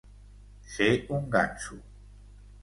Ser un ganso.